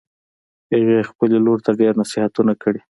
هغې خپلې لور ته ډېر نصیحتونه کړي